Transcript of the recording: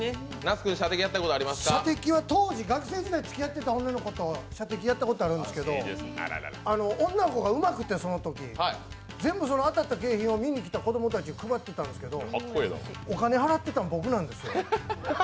射的は当時、学生時代とつきあっていた女の子と射的やったことあるんですけど、女の子がそのときうまくて、当たった景品を見に来た子供たちにあげてたんですけどお金を払ってたの、僕なんですよ。